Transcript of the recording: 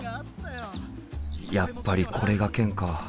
やっぱりこれがケンか。